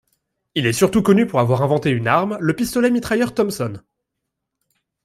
Il est surtout connu pour avoir inventé une arme, le pistolet-mitrailleur Thompson.